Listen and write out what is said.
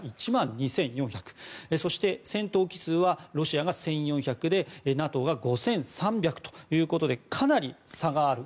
そして戦闘機数はロシアが１４００でＮＡＴＯが５３００ということでかなりの差がある。